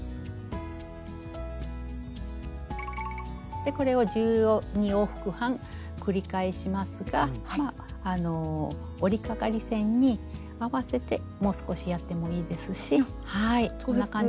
でこれを１２往復半繰り返しますがまああの織りかがり線に合わせてもう少しやってもいいですしはいこんな感じで。